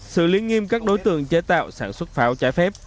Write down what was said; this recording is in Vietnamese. xử lý nghiêm các đối tượng chế tạo sản xuất pháo trái phép